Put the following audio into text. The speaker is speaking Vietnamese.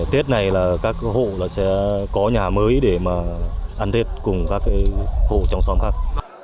tết này là các hộ sẽ có nhà mới để mà ăn tết cùng các hộ trong xóm khác